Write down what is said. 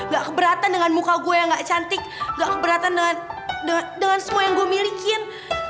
gak keberatan dengan muka gue yang gak cantik gak keberatan dengan semua yang gue milikin